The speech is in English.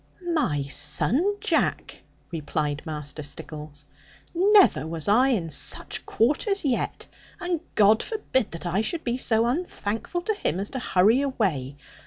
'My son Jack,' replied Master Stickles, 'never was I in such quarters yet: and God forbid that I should be so unthankful to Him as to hurry away.